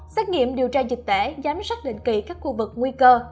xét nghiệm điều tra dịch tễ giám sát định kỳ các khu vực nguy cơ